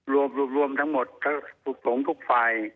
รวมรวมทั้งหมดทุกสงฆ์ทุกฝ่าย